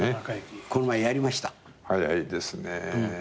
早いですね。